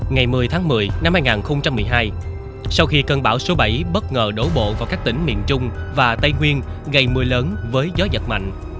ngày một mươi tháng một mươi năm hai nghìn một mươi hai sau khi cơn bão số bảy bất ngờ đổ bộ vào các tỉnh miền trung và tây nguyên gây mưa lớn với gió giật mạnh